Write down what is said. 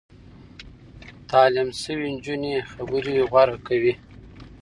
تعليم شوې نجونې خبرې غوره کوي.